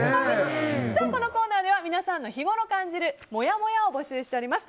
このコーナーでは皆さんの日ごろ感じるもやもやを募集しております。